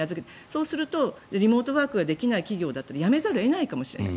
そうすると、リモートワークができない仕事だったら辞めざるを得ないかもしれない。